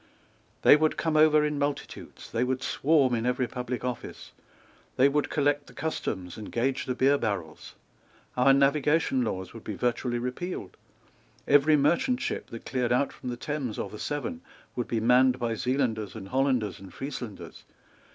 They would come over in multitudes. They would swarm in every public office. They would collect the customs, and gauge the beer barrels. Our Navigation Laws would be virtually repealed. Every merchant ship that cleared out from the Thames or the Severn would be manned by Zealanders and Hollanders and Frieslanders.